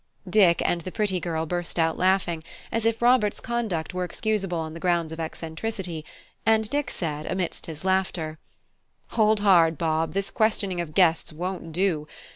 Dick and the pretty girl both burst out laughing, as if Robert's conduct were excusable on the grounds of eccentricity; and Dick said amidst his laughter: "Hold hard, Bob; this questioning of guests won't do.